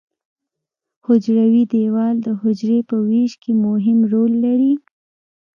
حجروي دیوال د حجرې په ویش کې مهم رول لري.